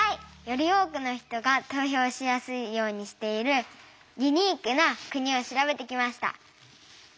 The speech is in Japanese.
より多くの人が投票しやすいようにしているユニークな国を調べてきました。